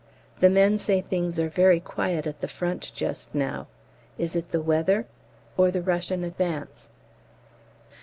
The men say things are very quiet at the Front just now. Is it the weather or the Russian advance?